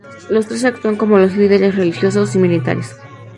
Los tres actúan como los líderes religiosos y militares.